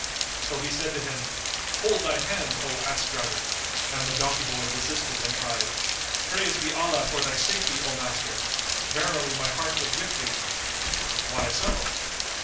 So he said to him, "Hold thy hand, O ass driver;" and the donkey boy desisted and cried, "Praised be Allah for thy safety, O master! Verily my heart was with thee." "Why so?"